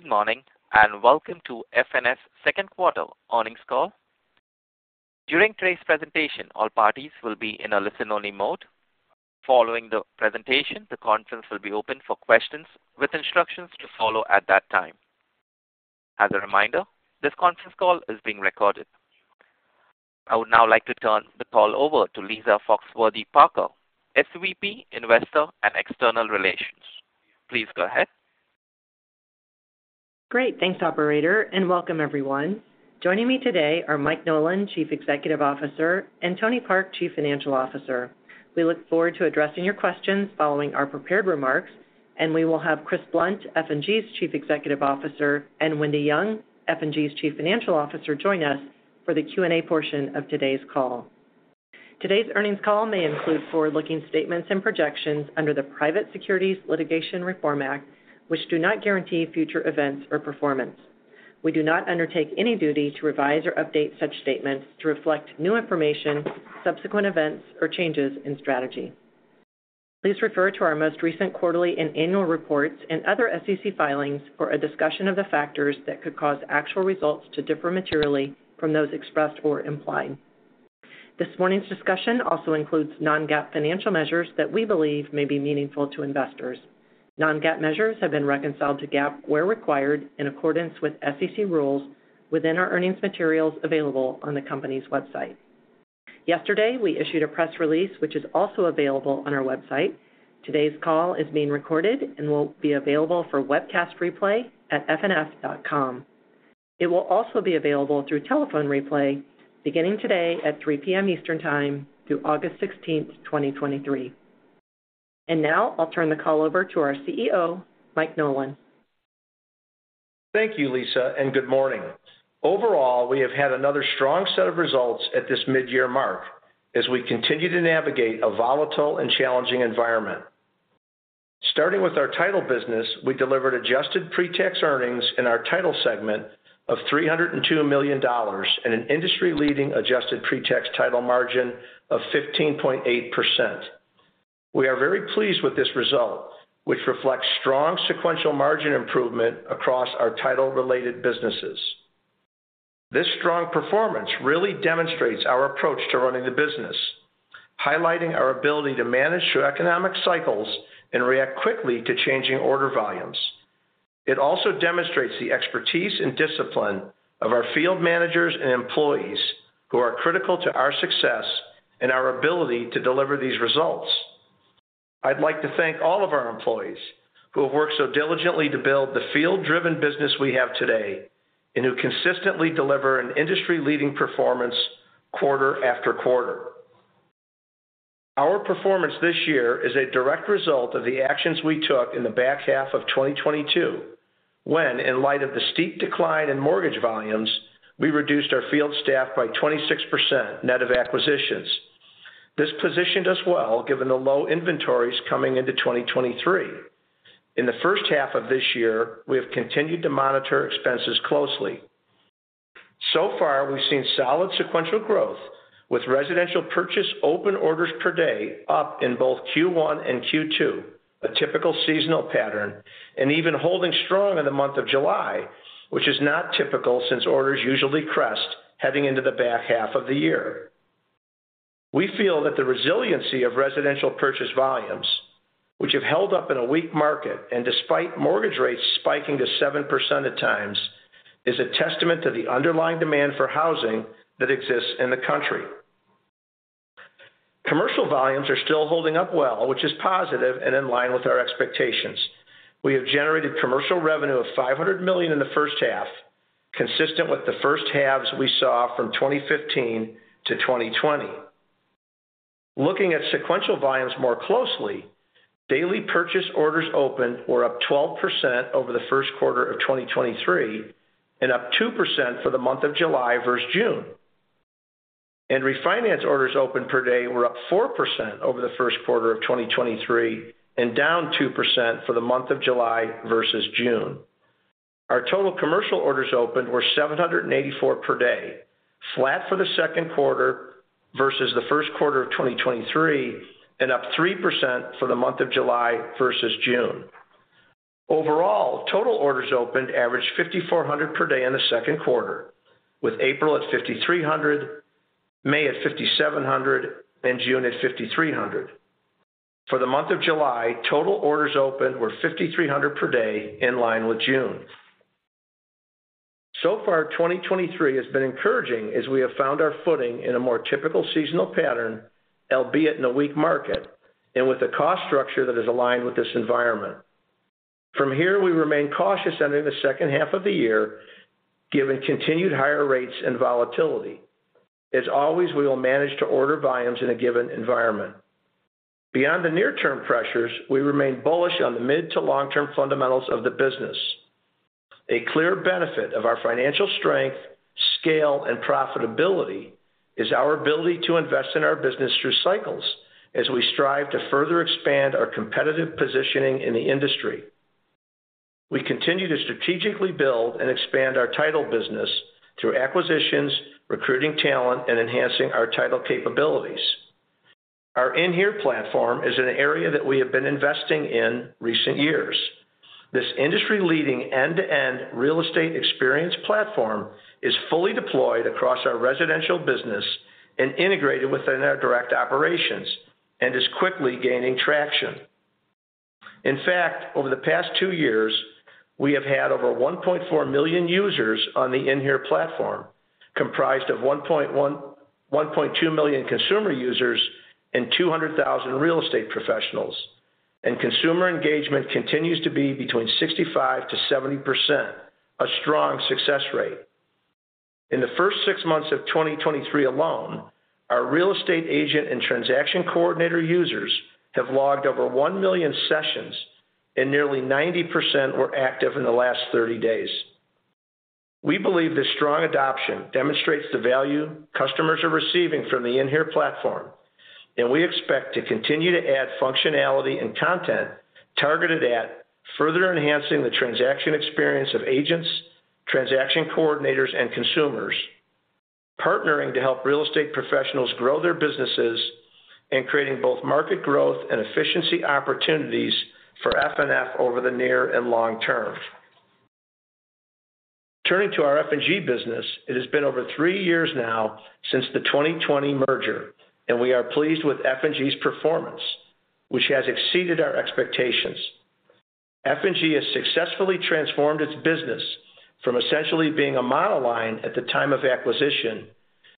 Good morning, and welcome to FNF's second quarter earnings call. During today's presentation, all parties will be in a listen-only mode. Following the presentation, the conference will be open for questions, with instructions to follow at that time. As a reminder, this conference call is being recorded. I would now like to turn the call over to Lisa Foxworthy-Parker, SVP, Investor and External Relations. Please go ahead. Great. Thanks, operator, welcome everyone. Joining me today are Mike Nolan, Chief Executive Officer, and Tony Park, Chief Financial Officer. We look forward to addressing your questions following our prepared remarks, and we will have Chris Blunt, F&G's Chief Executive Officer, and Wendy Young, F&G's Chief Financial Officer, join us for the Q&A portion of today's call. Today's earnings call may include forward-looking statements and projections under the Private Securities Litigation Reform Act, which do not guarantee future events or performance. We do not undertake any duty to revise or update such statements to reflect new information, subsequent events, or changes in strategy. Please refer to our most recent quarterly and annual reports and other SEC filings for a discussion of the factors that could cause actual results to differ materially from those expressed or implied. This morning's discussion also includes non-GAAP financial measures that we believe may be meaningful to investors. Non-GAAP measures have been reconciled to GAAP where required in accordance with SEC rules within our earnings materials available on the company's website. Yesterday, we issued a press release, which is also available on our website. Today's call is being recorded and will be available for webcast replay at fnf.com. It will also be available through telephone replay beginning today at 3:00 P.M. Eastern Time through August 16th, 2023. Now I'll turn the call over to our CEO, Mike Nolan. Thank you, Lisa. Good morning. Overall, we have had another strong set of results at this midyear mark as we continue to navigate a volatile and challenging environment. Starting with our title business, we delivered adjusted pre-tax earnings in our title segment of $302 million and an industry-leading adjusted pre-tax title margin of 15.8%. We are very pleased with this result, which reflects strong sequential margin improvement across our title-related businesses. This strong performance really demonstrates our approach to running the business, highlighting our ability to manage through economic cycles and react quickly to changing order volumes. It also demonstrates the expertise and discipline of our field managers and employees who are critical to our success and our ability to deliver these results. I'd like to thank all of our employees who have worked so diligently to build the field-driven business we have today and who consistently deliver an industry-leading performance quarter after quarter. Our performance this year is a direct result of the actions we took in the back half of 2022, when, in light of the steep decline in mortgage volumes, we reduced our field staff by 26% net of acquisitions. This positioned us well, given the low inventories coming into 2023. In the 1st half of this year, we have continued to monitor expenses closely. So far, we've seen solid sequential growth, with residential purchase open orders per day up in both Q1 and Q2, a typical seasonal pattern, and even holding strong in the month of July, which is not typical since orders usually crest heading into the back half of the year. We feel that the resiliency of residential purchase volumes, which have held up in a weak market and despite mortgage rates spiking to 7% at times, is a testament to the underlying demand for housing that exists in the country. Commercial volumes are still holding up well, which is positive and in line with our expectations. We have generated commercial revenue of $500 million in the first half, consistent with the first halves we saw from 2015 to 2020. Looking at sequential volumes more closely, daily purchase orders open were up 12% over the first quarter of 2023 and up 2% for the month of July versus June. Refinance orders open per day were up 4% over the first quarter of 2023 and down 2% for the month of July versus June. Our total commercial orders opened were 784 per day, flat for the second quarter versus the first quarter of 2023, and up 3% for the month of July versus June. Overall, total orders opened averaged 5,400 per day in the second quarter, with April at 5,300, May at 5,700, and June at 5,300. For the month of July, total orders open were 5,300 per day, in line with June. So far, 2023 has been encouraging as we have found our footing in a more typical seasonal pattern, albeit in a weak market and with a cost structure that is aligned with this environment. From here, we remain cautious entering the second half of the year, given continued higher rates and volatility. As always, we will manage to order volumes in a given environment. Beyond the near-term pressures, we remain bullish on the mid to long-term fundamentals of the business. A clear benefit of our financial strength, scale, and profitability is our ability to invest in our business through cycles as we strive to further expand our competitive positioning in the industry. We continue to strategically build and expand our title business through acquisitions, recruiting talent, and enhancing our title capabilities. Our inHere platform is an area that we have been investing in recent years. This industry-leading, end-to-end real estate experience platform is fully deployed across our residential business and integrated within our direct operations and is quickly gaining traction. In fact, over the past two years, we have had over 1.4 million users on the inHere platform, comprised of 1.1 million-1.2 million consumer users and 200,000 real estate professionals. Consumer engagement continues to be between 65%-70%, a strong success rate. In the first 6 months of 2023 alone, our real estate agent and transaction coordinator users have logged over 1 million sessions, and nearly 90% were active in the last 30 days. We believe this strong adoption demonstrates the value customers are receiving from the inHere platform, and we expect to continue to add functionality and content targeted at further enhancing the transaction experience of agents, transaction coordinators, and consumers, partnering to help real estate professionals grow their businesses, and creating both market growth and efficiency opportunities for FNF over the near and long term. Turning to our F&G business, it has been over 3 years now since the 2020 merger, and we are pleased with F&G's performance, which has exceeded our expectations. F&G has successfully transformed its business from essentially being a monoline at the time of acquisition,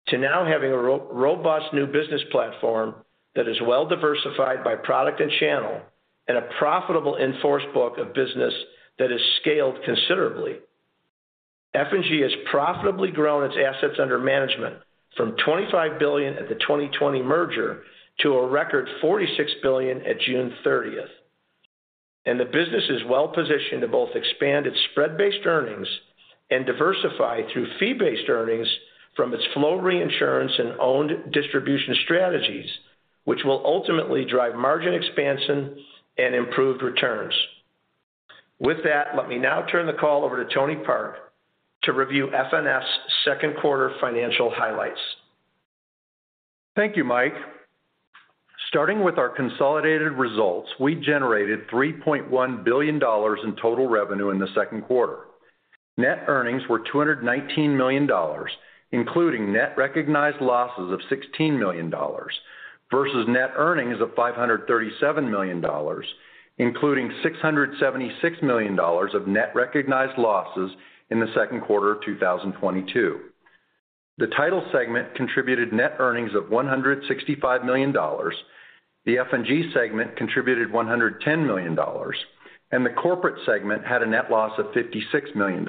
to now having a robust new business platform that is well-diversified by product and channel, and a profitable in-force book of business that has scaled considerably. F&G has profitably grown its assets under management from $25 billion at the 2020 merger to a record $46 billion at June 30th. The business is well-positioned to both expand its spread-based earnings and diversify through fee-based earnings from its flow reinsurance and owned distribution strategies, which will ultimately drive margin expansion and improved returns. With that, let me now turn the call over to Tony Park to review FNF's second quarter financial highlights. Thank you, Mike. Starting with our consolidated results, we generated $3.1 billion in total revenue in the second quarter. Net earnings were $219 million, including net recognized losses of $16 million, versus net earnings of $537 million, including $676 million of net recognized losses in the second quarter of 2022. The Title segment contributed net earnings of $165 million, the F&G segment contributed $110 million, the Corporate segment had a net loss of $56 million.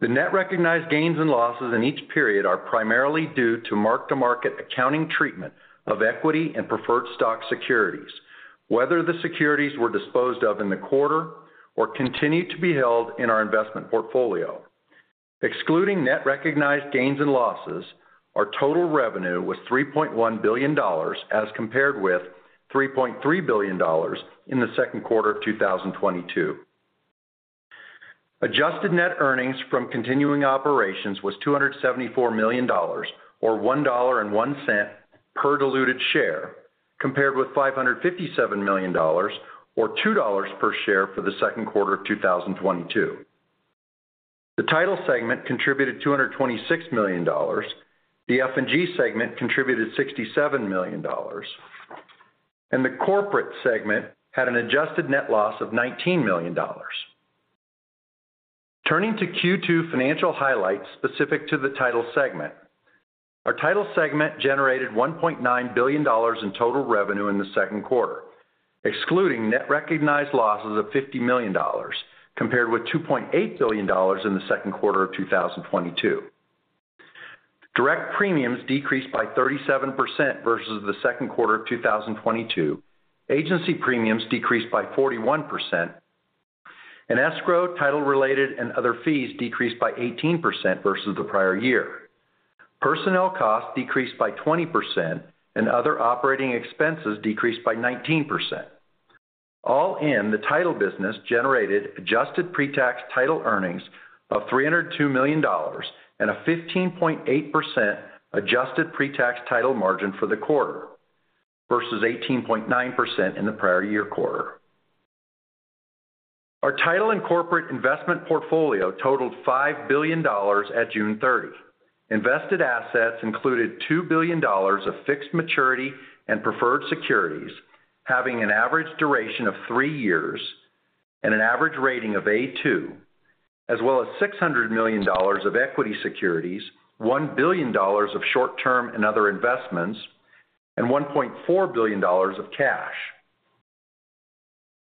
The net recognized gains and losses in each period are primarily due to mark-to-market accounting treatment of equity and preferred stock securities, whether the securities were disposed of in the quarter or continued to be held in our investment portfolio. Excluding net recognized gains and losses, our total revenue was $3.1 billion, as compared with $3.3 billion in the second quarter of 2022. Adjusted net earnings from continuing operations was $274 million, or $1.01 per diluted share, compared with $557 million, or $2 per share for the second quarter of 2022. The Title segment contributed $226 million, the F&G segment contributed $67 million, and the Corporate segment had an adjusted net loss of $19 million. Turning to Q2 financial highlights specific to the Title segment. Our Title segment generated $1.9 billion in total revenue in the second quarter, excluding net recognized losses of $50 million, compared with $2.8 billion in the second quarter of 2022. Direct premiums decreased by 37% versus the second quarter of 2022. Agency premiums decreased by 41%, and escrow, title-related, and other fees decreased by 18% versus the prior year. Personnel costs decreased by 20%, and other operating expenses decreased by 19%. All in the Title business generated adjusted pre-tax Title earnings of $302 million and a 15.8% adjusted pre-tax Title margin for the quarter, versus 18.9% in the prior year quarter. Our Title and Corporate investment portfolio totaled $5 billion at June 30. Invested assets included $2 billion of fixed maturity and preferred securities, having an average duration of 3 years and an average rating of A2, as well as $600 million of equity securities, $1 billion of short-term and other investments, and $1.4 billion of cash.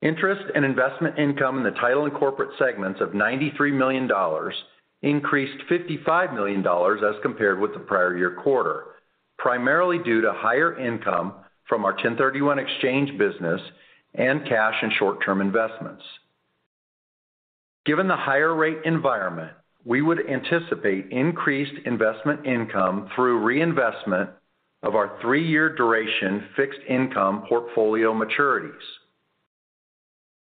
Interest and investment income in the Title and Corporate segments of $93 million increased $55 million as compared with the prior year quarter, primarily due to higher income from our 1031 exchange business and cash and short-term investments. Given the higher rate environment, we would anticipate increased investment income through reinvestment of our 3-year duration fixed income portfolio maturities.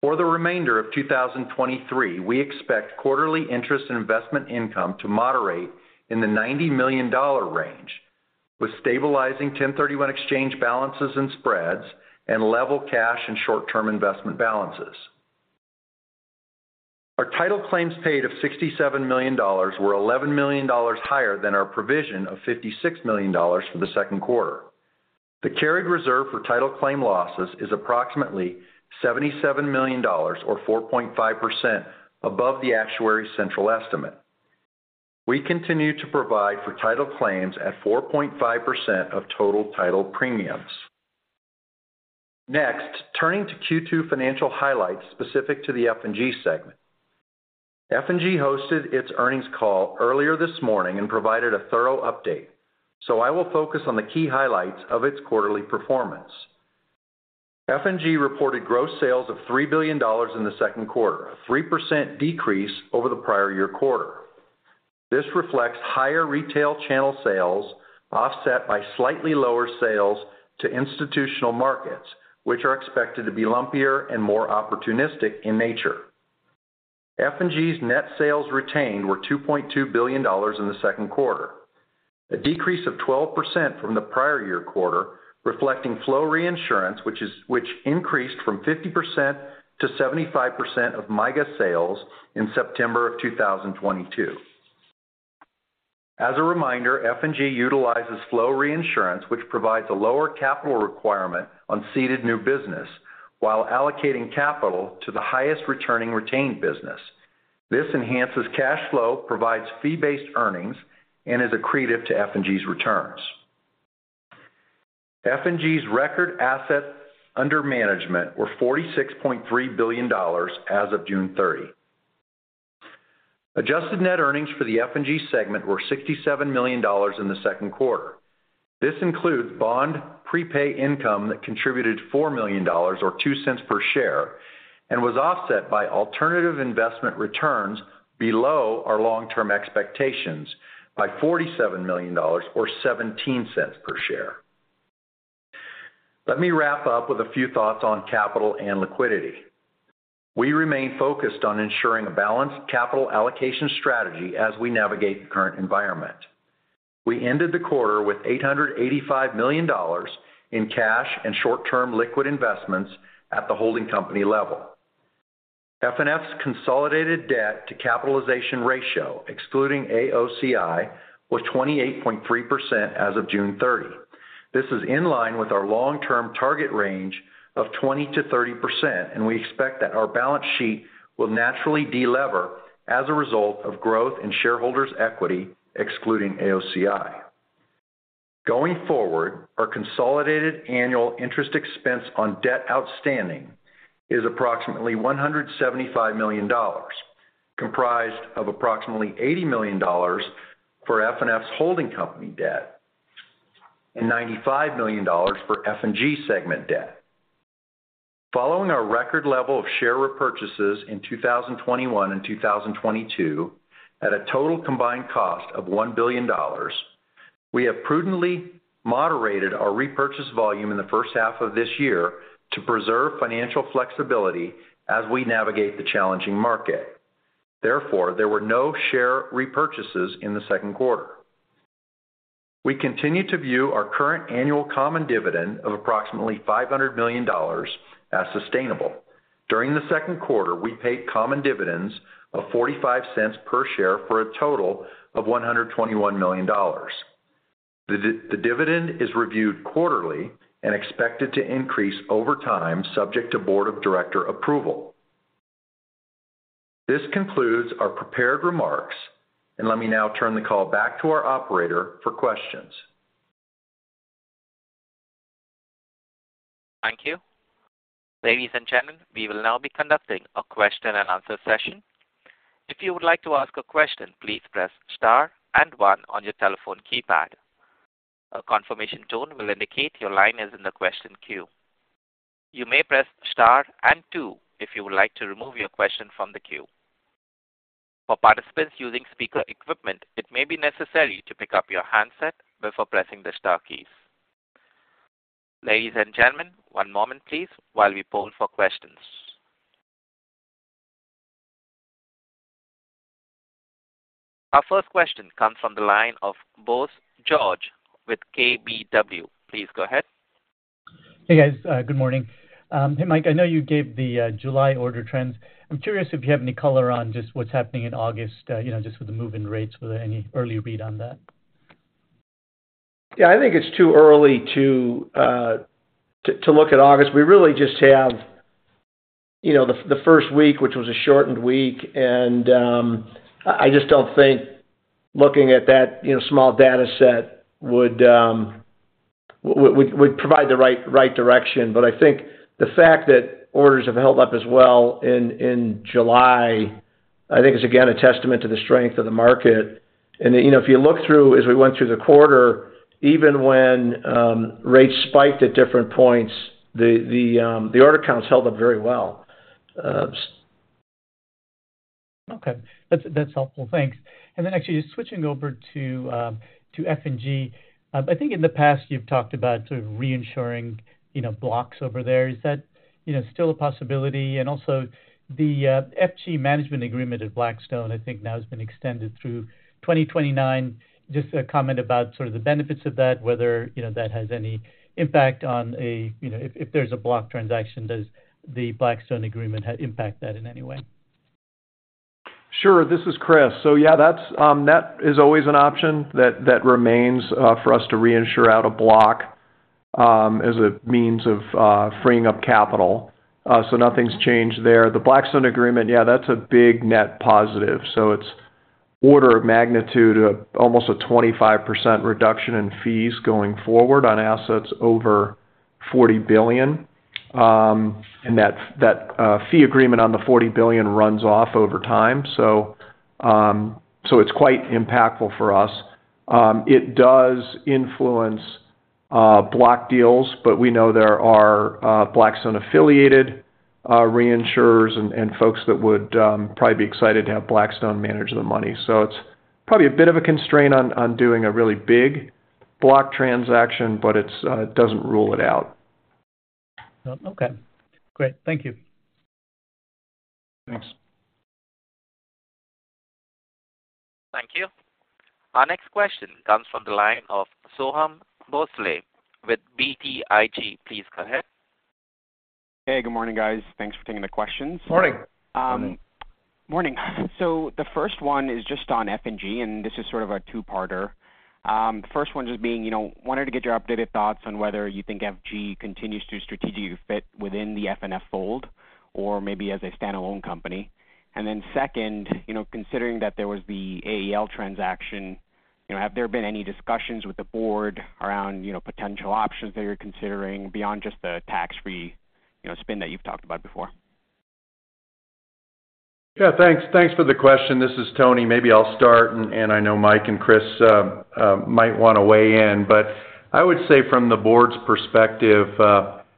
For the remainder of 2023, we expect quarterly interest and investment income to moderate in the $90 million range, with stabilizing 1031 exchange balances and spreads and level cash and short-term investment balances. Our title claims paid of $67 million were $11 million higher than our provision of $56 million for the second quarter. The carried reserve for title claim losses is approximately $77 million, or 4.5%, above the actuary's central estimate. We continue to provide for title claims at 4.5% of total title premiums. Turning to Q2 financial highlights specific to the F&G segment. F&G hosted its earnings call earlier this morning and provided a thorough update. I will focus on the key highlights of its quarterly performance. F&G reported gross sales of $3 billion in the second quarter, a 3% decrease over the prior year quarter. This reflects higher retail channel sales, offset by slightly lower sales to institutional markets, which are expected to be lumpier and more opportunistic in nature. F&G's net sales retained were $2.2 billion in the second quarter, a decrease of 12% from the prior year quarter, reflecting flow reinsurance, which increased from 50% to 75% of MYGA sales in September 2022. As a reminder, F&G utilizes flow reinsurance, which provides a lower capital requirement on ceded new business while allocating capital to the highest returning retained business. This enhances cash flow, provides fee-based earnings, and is accretive to F&G's returns. F&G's record assets under management were $46.3 billion as of June 30. Adjusted net earnings for the F&G segment were $67 million in the second quarter. This includes bond prepay income that contributed $4 million, or $0.02 per share, and was offset by alternative investment returns below our long-term expectations by $47 million, or $0.17 per share. Let me wrap up with a few thoughts on capital and liquidity. We remain focused on ensuring a balanced capital allocation strategy as we navigate the current environment. We ended the quarter with $885 million in cash and short-term liquid investments at the holding company level. FNF's consolidated debt to capitalization ratio, excluding AOCI, was 28.3% as of June 30. This is in line with our long-term target range of 20%-30%, and we expect that our balance sheet will naturally de-lever as a result of growth in shareholders' equity, excluding AOCI. Going forward, our consolidated annual interest expense on debt outstanding is approximately $175 million, comprised of approximately $80 million for FNF's holding company debt and $95 million for F&G segment debt. Following our record level of share repurchases in 2021 and 2022, at a total combined cost of $1 billion, we have prudently moderated our repurchase volume in the first half of this year to preserve financial flexibility as we navigate the challenging market. Therefore, there were no share repurchases in the second quarter. We continue to view our current annual common dividend of approximately $500 million as sustainable. During the second quarter, we paid common dividends of $0.45 per share for a total of $121 million. The dividend is reviewed quarterly and expected to increase over time, subject to board of director approval. This concludes our prepared remarks, and let me now turn the call back to our operator for questions. Thank you. Ladies and gentlemen, we will now be conducting a question and answer session. If you would like to ask a question, please press star and one on your telephone keypad. A confirmation tone will indicate your line is in the question queue. You may press star and two if you would like to remove your question from the queue. For participants using speaker equipment, it may be necessary to pick up your handset before pressing the star keys. Ladies and gentlemen, one moment please, while we poll for questions. Our first question comes from the line of Bose George with KBW. Please go ahead. Hey, guys, good morning. Hey, Mike, I know you gave the July order trends. I'm curious if you have any color on just what's happening in August, you know, just with the move in rates. Was there any early read on that? Yeah, I think it's too early to to to look at August. We really just have, you know, the, the first week, which was a shortened week, and I, I just don't think looking at that, you know, small data set would would would provide the right, right direction. I think the fact that orders have held up as well in, in July, I think is again, a testament to the strength of the market. You know, if you look through, as we went through the quarter, even when rates spiked at different points, the, the, the order counts held up very well. Okay, that's, that's helpful. Thanks. Actually just switching over to F&G. I think in the past, you've talked about sort of reinsuring, you know, blocks over there. Is that, you know, still a possibility? Also the F&G management agreement at Blackstone, I think now has been extended through 2029. Just a comment about sort of the benefits of that, whether, you know, that has any impact on you know, if, if there's a block transaction, does the Blackstone agreement impact that in any way? Sure. This is Chris. Yeah, that's, that is always an option that, that remains for us to reinsure out a block, as a means of freeing up capital. Nothing's changed there. The Blackstone agreement, yeah, that's a big net positive. It's order of magnitude of almost a 25% reduction in fees going forward on assets over $40 billion. That, that fee agreement on the $40 billion runs off over time. It's quite impactful for us. It does influence block deals, but we know there are Blackstone-affiliated reinsurers and folks that would probably be excited to have Blackstone manage the money. It's probably a bit of a constraint on, on doing a really big block transaction, but it's, it doesn't rule it out. Oh, okay. Great. Thank you. Thanks. Thank you. Our next question comes from the line of Soham Bhonsle with BTIG. Please go ahead. Hey, good morning, guys. Thanks for taking the questions. Morning! Morning. Morning. The first one is just on F&G, and this is sort of a two-parter. The first one just being, you know, wanted to get your updated thoughts on whether you think F&G continues to strategically fit within the FNF fold or maybe as a standalone company. Second, you know, considering that there was the AEL transaction, you know, have there been any discussions with the board around, you know, potential options that you're considering beyond just the tax-free, you know, spin that you've talked about before? Yeah, thanks. Thanks for the question. This is Tony. Maybe I'll start, and, and I know Mike and Chris, might want to weigh in, but I would say from the board's perspective,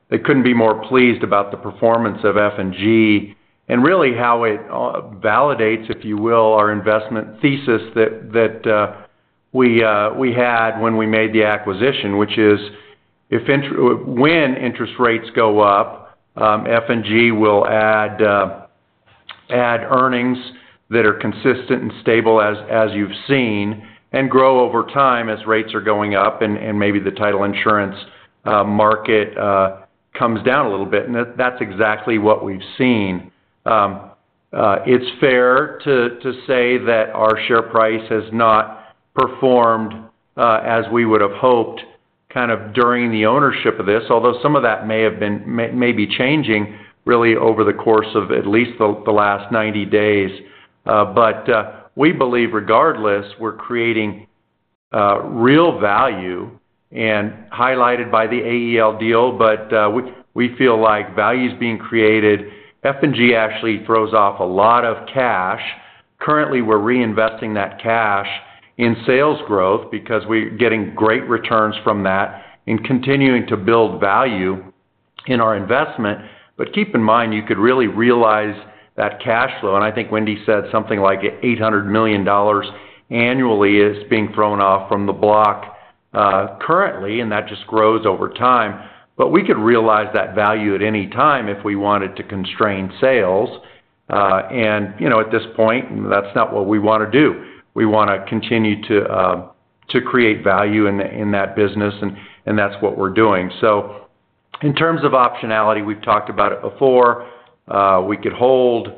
they couldn't be more pleased about the performance of F&G and really how it, validates, if you will, our investment thesis that, that, we, we had when we made the acquisition, which is, if interest-- when interest rates go up, F&G will add, add earnings that are consistent and stable as, as you've seen, and grow over time as rates are going up and, and maybe the title insurance, market, comes down a little bit. That's exactly what we've seen. It's fair to say that our share price has not performed as we would have hoped kind of during the ownership of this, although some of that may be changing really over the course of at least the last 90 days. We believe regardless, we're creating real value and highlighted by the AEL deal, but we feel like value is being created. F&G actually throws off a lot of cash. Currently, we're reinvesting that cash in sales growth because we're getting great returns from that and continuing to build value in our investment. Keep in mind, you could really realize that cash flow, and I think Wendy said something like $800 million annually is being thrown off from the block currently, and that just grows over time. We could realize that value at any time if we wanted to constrain sales. You know, at this point, that's not what we want to do. We want to continue to create value in that business, and that's what we're doing. In terms of optionality, we've talked about it before, we could hold,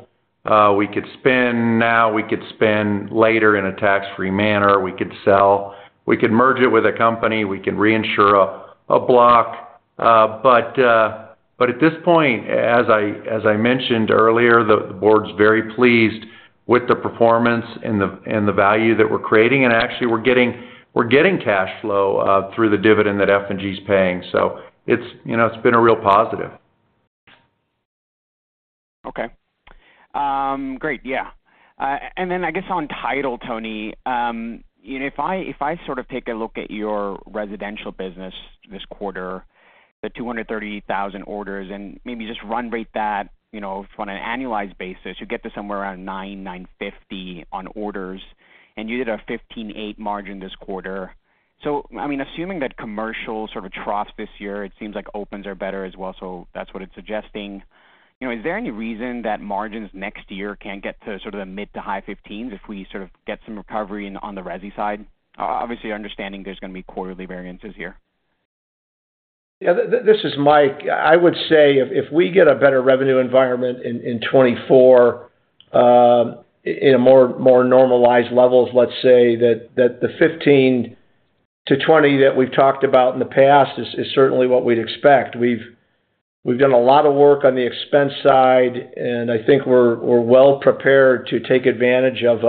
we could spend now, we could spend later in a tax-free manner, we could sell, we could merge it with a company, we could reinsure a block. At this point, as I mentioned earlier, the board's very pleased with the performance and the value that we're creating. Actually, we're getting cash flow through the dividend that F&G is paying. It's, you know, it's been a real positive. Okay. Great, yeah. I guess on title, Tony, you know, if I, if I sort of take a look at your residential business this quarter, the 230,000 orders, and maybe just run rate that, you know, from an annualized basis, you get to somewhere around 900-950 on orders, and you did a 15.8% margin this quarter. I mean, assuming that commercial sort of troughs this year, it seems like opens are better as well. That's what it's suggesting. You know, is there any reason that margins next year can't get to sort of the mid-to-high 15s if we sort of get some recovery on the resi side? Obviously, understanding there's going to be quarterly variances here. Yeah, this is Mike. I would say if, if we get a better revenue environment in 2024, in a more, more normalized levels, let's say that the 15-20 that we've talked about in the past is certainly what we'd expect. We've done a lot of work on the expense side, and I think we're well prepared to take advantage of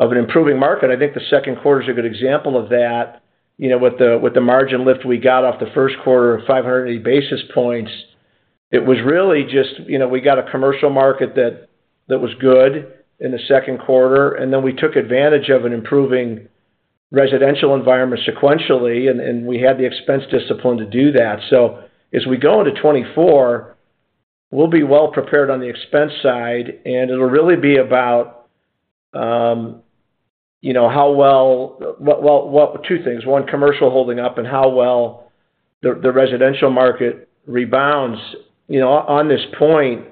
an improving market. I think the second quarter is a good example of that. You know, with the margin lift we got off the first quarter, 580 basis points. It was really just, you know, we got a commercial market that was good in the second quarter, and then we took advantage of an improving-... Residential environment sequentially, and we had the expense discipline to do that. As we go into 2024, we'll be well prepared on the expense side, and it'll really be about, you know, how well two things: One, commercial holding up and how well the residential market rebounds. You know, on this point,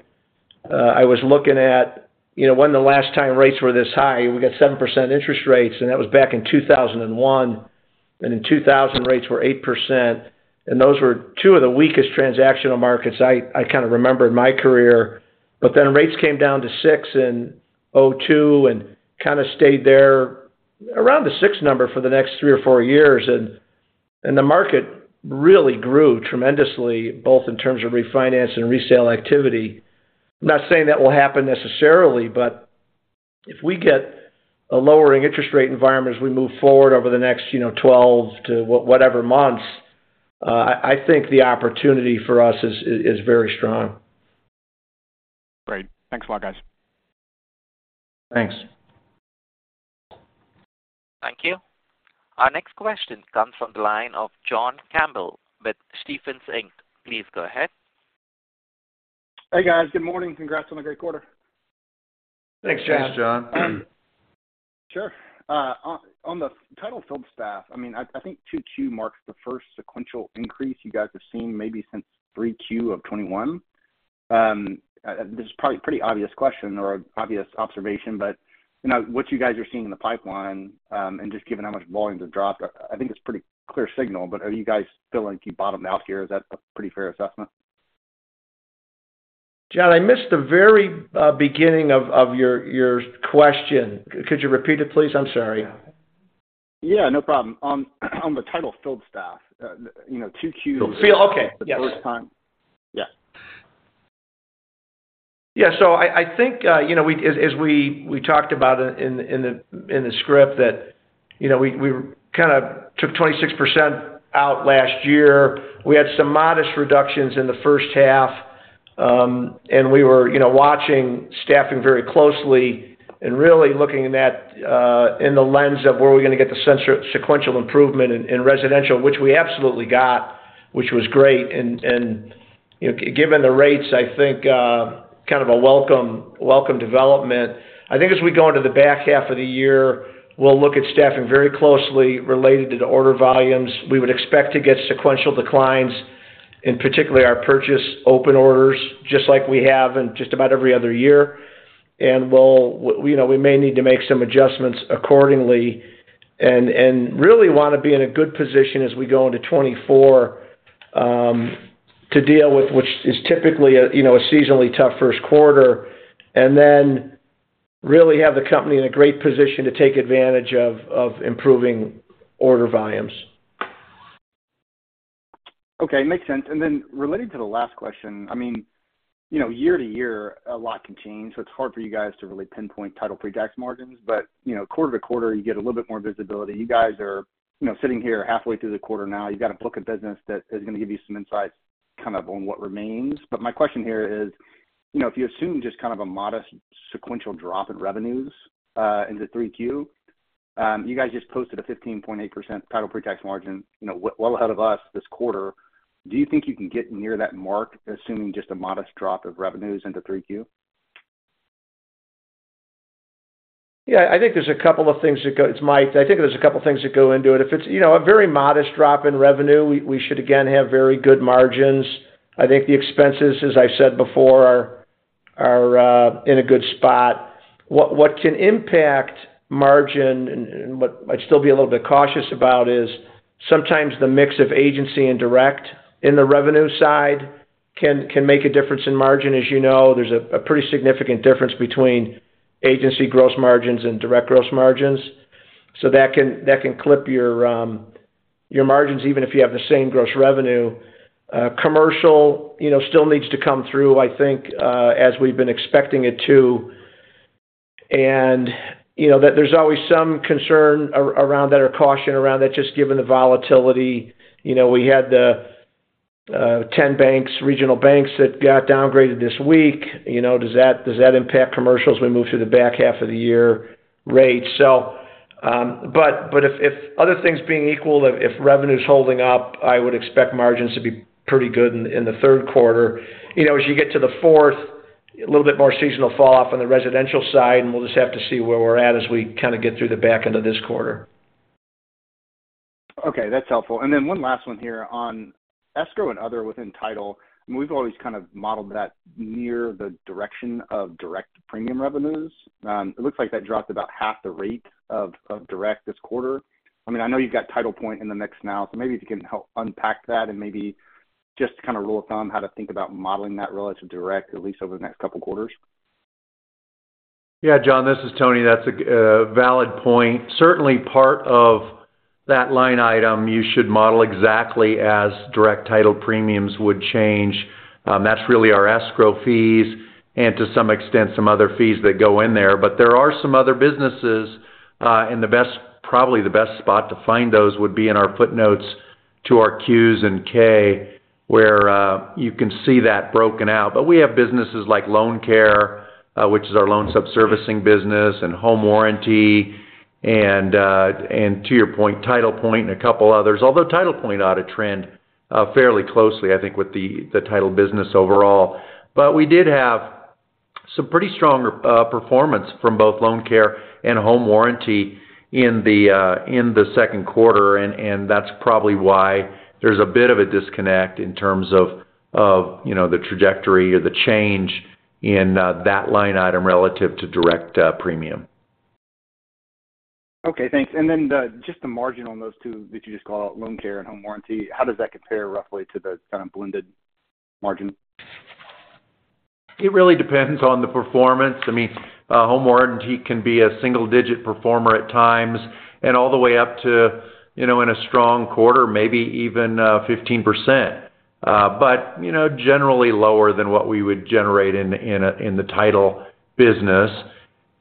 I was looking at, you know, when the last time rates were this high. We got 7% interest rates, and that was back in 2001, and in 2000, rates were 8%. Those were two of the weakest transactional markets I, I kind of remember in my career. Then rates came down to 6% in 2002 and kind of stayed there around the 6% number for the next three or four years, and the market really grew tremendously, both in terms of refinance and resale activity. I'm not saying that will happen necessarily, if we get a lowering interest rate environment as we move forward over the next, you know, 12 to whatever months, I think the opportunity for us is very strong. Great. Thanks a lot, guys. Thanks. Thank you. Our next question comes from the line of John Campbell with Stephens Inc. Please go ahead. Hey, guys. Good morning. Congrats on a great quarter. Thanks, John. Thanks, John. Sure. On the title field staff, I mean, I, I think 2Q marks the first sequential increase you guys have seen maybe since 3Q of 2021. This is probably a pretty obvious question or obvious observation, but you know, what you guys are seeing in the pipeline, and just given how much volumes have dropped, I think it's pretty clear signal, but are you guys still in keep bottom out here? Is that a pretty fair assessment? John, I missed the very beginning of your question. Could you repeat it, please? I'm sorry. Yeah, no problem. On the title field staff, you know, 2 Q- Field. Okay. The first time. Yeah. Yeah. I, I think, you know, as, as we, we talked about it in, in the, in the script that, you know, we, we kind of took 26% out last year. We had some modest reductions in the first half, and we were, you know, watching staffing very closely and really looking at that in the lens of where we're going to get the sequential improvement in, in residential, which we absolutely got, which was great. And, you know, given the rates, I think, kind of a welcome, welcome development. I think as we go into the back half of the year, we'll look at staffing very closely related to the order volumes. We would expect to get sequential declines, in particularly our purchase open orders, just like we have in just about every other year. We'll... You know, we may need to make some adjustments accordingly and, and really want to be in a good position as we go into 2024, to deal with, which is typically a, you know, a seasonally tough first quarter, and then really have the company in a great position to take advantage of, of improving order volumes. Okay, makes sense. Related to the last question, I mean, you know, year-to-year, a lot can change, so it's hard for you guys to really pinpoint title pretax margins. You know, quarter-to-quarter, you get a little bit more visibility. You guys are, you know, sitting here halfway through the quarter now. You've got a book of business that is going to give you some insights, kind of on what remains. My question here is, you know, if you assume just kind of a modest sequential drop in revenues into 3Q, you guys just posted a 15.8% title pretax margin, you know, well ahead of us this quarter. Do you think you can get near that mark, assuming just a modest drop of revenues into 3Q? Yeah, I think there's a couple of things. It's Mike. I think there's a couple of things that go into it. If it's, you know, a very modest drop in revenue, we, we should again, have very good margins. I think the expenses, as I've said before, are, are in a good spot. What, what can impact margin and, and what I'd still be a little bit cautious about is sometimes the mix of agency and direct in the revenue side can, can make a difference in margin. As you know, there's a, a pretty significant difference between agency gross margins and direct gross margins. That can, that can clip your margins, even if you have the same gross revenue. Commercial, you know, still needs to come through, I think, as we've been expecting it to. You know, that there's always some concern around, that, or caution around that, just given the volatility. You know, we had the 10 banks, regional banks that got downgraded this week. You know, does that, does that impact commercial as we move through the back half of the year rates? But, if other things being equal, if, if revenue is holding up, I would expect margins to be pretty good in the third quarter. You know, as you get to the fourth, a little bit more seasonal fall off on the residential side, We'll just have to see where we're at as we kind of get through the back end of this quarter. Okay, that's helpful. Then one last one here on escrow and other within title. We've always kind of modeled that near the direction of direct premium revenues. It looks like that dropped about half the rate of, of direct this quarter. I mean, I know you've got TitlePoint in the mix now, so maybe if you can help unpack that and maybe just to kind of rule of thumb, how to think about modeling that relative to direct, at least over the next couple of quarters? Yeah, John, this is Tony. That's a valid point. Certainly, part of that line item, you should model exactly as direct title premiums would change. That's really our escrow fees and to some extent, some other fees that go in there. But there are some other businesses, and probably the best spot to find those would be in our footnotes to our Qs and Ks, where you can see that broken out. But we have businesses like LoanCare, which is our loan subservicing business, and home warranty, and to your point, TitlePoint and a couple others. Although TitlePoint ought to trend fairly closely, I think, with the title business overall. We did have some pretty strong performance from both LoanCare and home warranty in the second quarter, and that's probably why there's a bit of a disconnect in terms of, of, you know, the trajectory or the change in that line item relative to direct premium. Okay, thanks. Then just the margin on those two that you just called out, LoanCare and home warranty, how does that compare roughly to the kind of blended margin? It really depends on the performance. I mean, home warranty can be a single-digit performer at times, and all the way up to, you know, in a strong quarter, maybe even 15%. You know, generally lower than what we would generate in, in a, in the title business.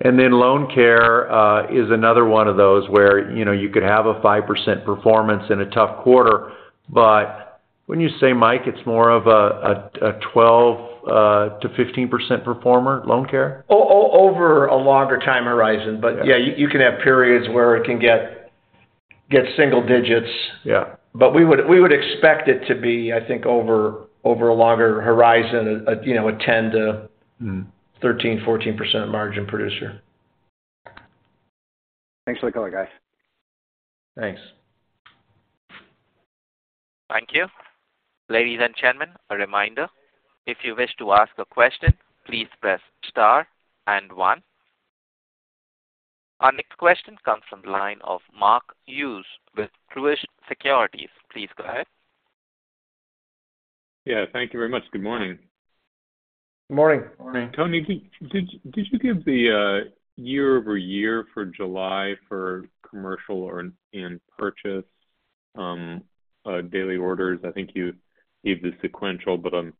Then LoanCare is another one of those where, you know, you could have a 5% performance in a tough quarter. Wouldn't you say, Mike, it's more of a 12%-15% performer, LoanCare? Over a longer time horizon. Yeah. Yeah, you, you can have periods where it can get, get single digits. Yeah. we would expect it to be, I think, over, over a longer horizon, you know, a 10% to- Mm. Thirteen percent, 14% margin producer. Thanks for the color, guys. Thanks. Thank you. Ladies and gentlemen, a reminder: If you wish to ask a question, please press star and one. Our next question comes from the line of Mark Hughes with Truist Securities. Please go ahead. Yeah, thank you very much. Good morning. Good morning. Morning. Tony, did you give the year-over-year for July for commercial or, and purchase, daily orders? I think you gave the sequential, but I'm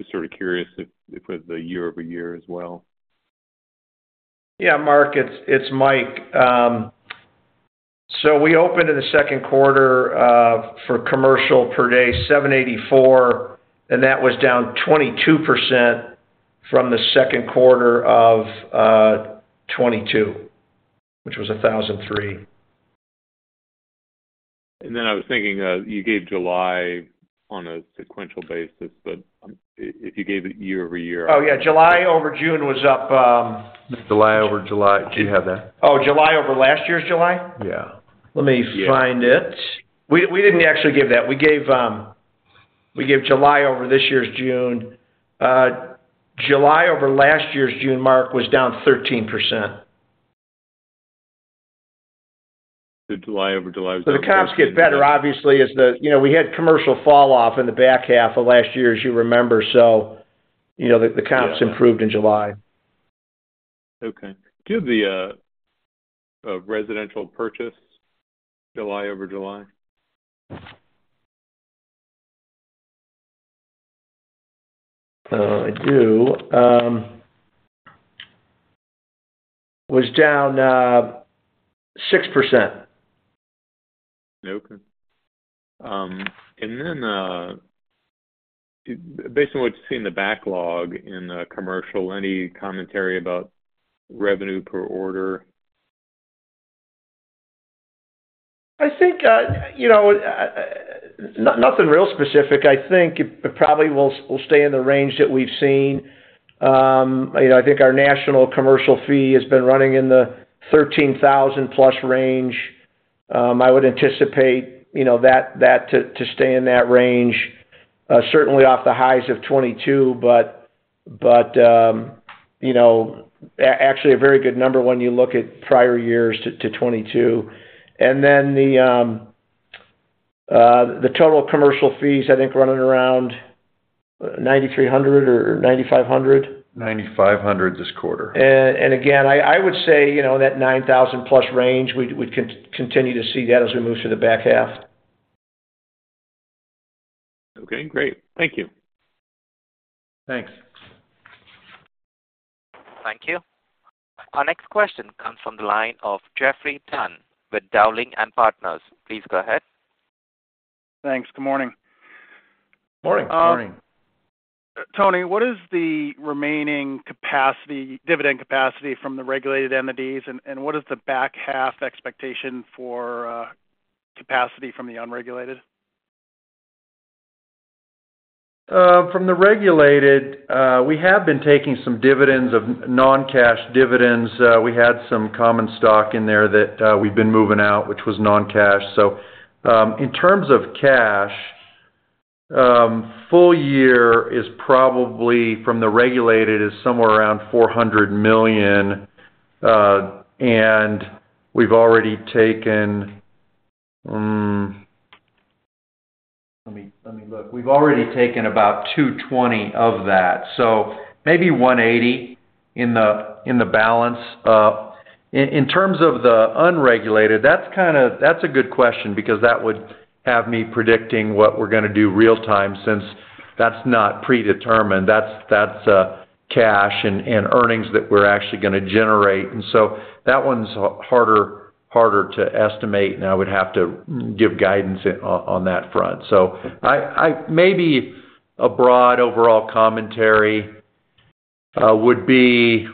just sort of curious if, if it was the year-over-year as well. Yeah, Mark, it's, it's Mike. We opened in the second quarter, for commercial per day, 784, and that was down 22% from the second quarter of 2022, which was 1,003. I was thinking, you gave July on a sequential basis, but, if you gave it year-over-year- Oh, yeah. July over June was up. July-over-July. Do you have that? Oh, July over last year's July? Yeah. Let me find it. We, we didn't actually give that. We gave, we gave July over this year's June. July over last year's June, Mark, was down 13%. July-over-July. The comps get better, obviously, as the... You know, we had commercial falloff in the back half of last year, as you remember. You know, the comps. Yeah. Improved in July. Okay. Do you have the residential purchase, July-over-July? I do. Was down 6%. Okay. Based on what you've seen in the backlog in, commercial, any commentary about revenue per order? I think, you know, nothing real specific. I think it, it probably will, will stay in the range that we've seen. You know, I think our national commercial fee has been running in the $13,000+ range. I would anticipate, you know, that, that to, to stay in that range, certainly off the highs of 2022, but, but, you know, actually a very good number when you look at prior years to 2022. Then the total commercial fees, I think, running around $9,300 or $9,500. $9,500 this quarter. And again, I, I would say, you know, that 9,000+ range, we'd, we'd continue to see that as we move through the back half. Okay, great. Thank you. Thanks. Thank you. Our next question comes from the line of Geoffrey Dunn with Dowling & Partners. Please go ahead. Thanks. Good morning. Morning. Morning. Tony, what is the remaining capacity, dividend capacity from the regulated entities, and what is the back half expectation for capacity from the unregulated? From the regulated, we have been taking some dividends of non-cash dividends. We had some common stock in there that we've been moving out, which was non-cash. In terms of cash, full year is probably, from the regulated, is somewhere around $400 million, and we've already taken, let me, let me look. We've already taken about $220 of that, so maybe $180 in the balance. In terms of the unregulated, that's a good question because that would have me predicting what we're gonna do real-time, since that's not predetermined. That's, that's cash and earnings that we're actually gonna generate. That one's harder, harder to estimate, and I would have to give guidance on that front. I -- maybe a broad overall commentary would be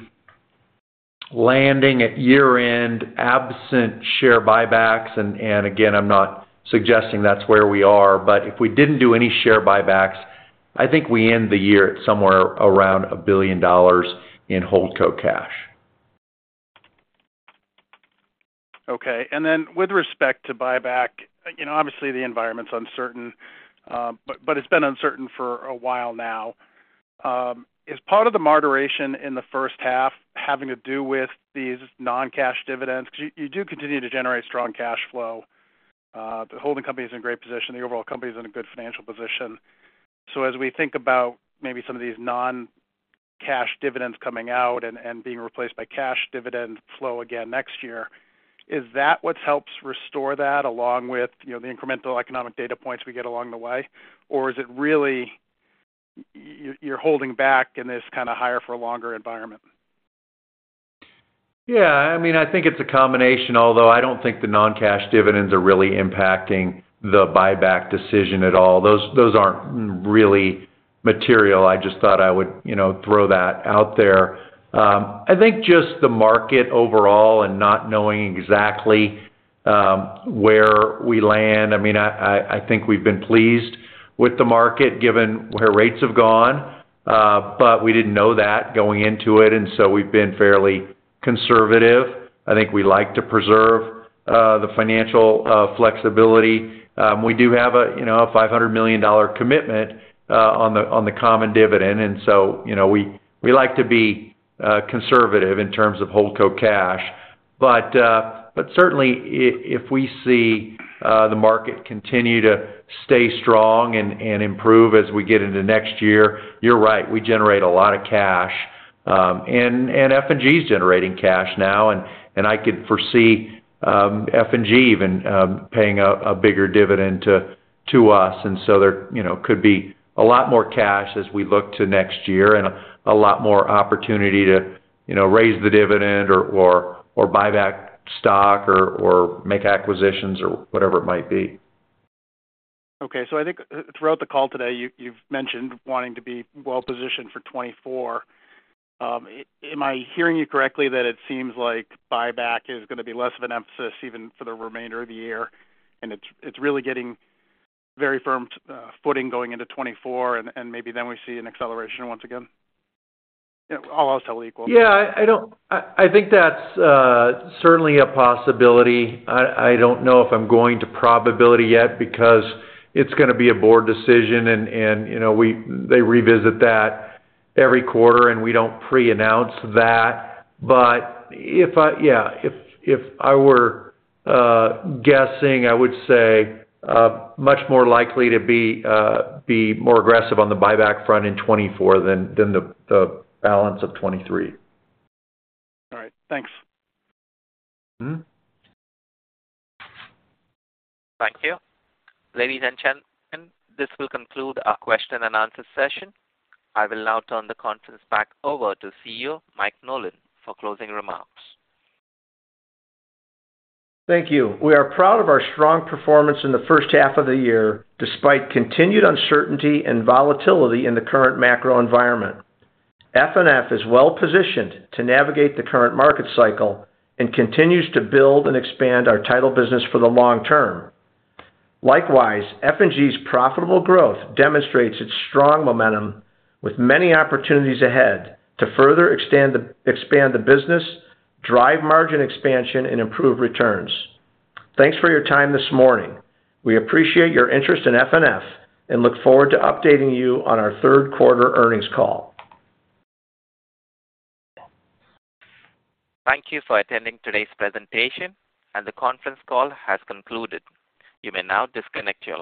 landing at year-end, absent share buybacks, and, and again, I'm not suggesting that's where we are, but if we didn't do any share buybacks, I think we end the year at somewhere around $1 billion in HoldCo cash. Okay. Then with respect to buyback, you know, obviously, the environment's uncertain, but it's been uncertain for a while now. Is part of the moderation in the first half having to do with these non-cash dividends? Because you do continue to generate strong cash flow. The holding company is in great position. The overall company is in a good financial position. As we think about maybe some of these non-cash dividends coming out and, and being replaced by cash dividend flow again next year, is that what helps restore that along with, you know, the incremental economic data points we get along the way? Is it really you're holding back in this kinda higher for longer environment? Yeah, I mean, I think it's a combination, although I don't think the non-cash dividends are really impacting the buyback decision at all. Those, those aren't really material. I just thought I would, you know, throw that out there. I think just the market overall and not knowing exactly where we land. I mean, I, I, I think we've been pleased with the market, given where rates have gone, but we didn't know that going into it, and so we've been fairly conservative. I think we like to preserve the financial flexibility. We do have a, you know, a $500 million commitment on the, on the common dividend, and so, you know, we, we like to be conservative in terms of HoldCo cash. Certainly, if we see the market continue to stay strong and improve as we get into next year, you're right, we generate a lot of cash. And F&G's generating cash now, and I could foresee F&G even paying a bigger dividend to us. So there, you know, could be a lot more cash as we look to next year and a lot more opportunity to, you know, raise the dividend or buy back stock or make acquisitions or whatever it might be. Okay. I think throughout the call today, you've mentioned wanting to be well positioned for 2024. Am I hearing you correctly, that it seems like buyback is gonna be less of an emphasis, even for the remainder of the year, and it's really getting very firm footing going into 2024, and maybe then we see an acceleration once again? All else held equal. Yeah, I don't, I think that's certainly a possibility. I don't know if I'm going to probability yet because it's gonna be a board decision and, and, you know, we, they revisit that every quarter, and we don't pre-announce that. If I... Yeah, if I were guessing, I would say much more likely to be more aggressive on the buyback front in 2024 than, than the, the balance of 2023. All right. Thanks. Mm-hmm. Thank you. Ladies and gentlemen, this will conclude our question and answer session. I will now turn the conference back over to CEO, Mike Nolan, for closing remarks. Thank you. We are proud of our strong performance in the first half of the year, despite continued uncertainty and volatility in the current macro environment. FNF is well positioned to navigate the current market cycle and continues to build and expand our title business for the long term. Likewise, F&G's profitable growth demonstrates its strong momentum with many opportunities ahead to further expand the business, drive margin expansion, and improve returns. Thanks for your time this morning. We appreciate your interest in FNF and look forward to updating you on our third quarter earnings call. Thank you for attending today's presentation, and the conference call has concluded. You may now disconnect your line.